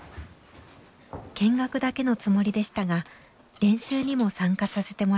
見学だけのつもりでしたが練習にも参加させてもらうことに。